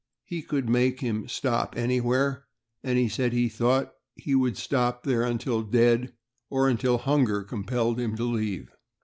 He could make him stop anywhere, and he said he thought he would stop there until dead, or hunger compelled him to leave.